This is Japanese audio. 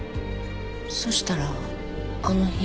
そしたらあの日。